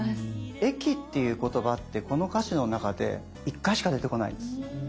駅っていう言葉ってこの歌詞の中で１回しか出てこないんです。